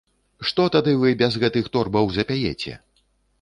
Што тады вы без гэтых торбаў запеяце?